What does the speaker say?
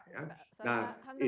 nah handoko ini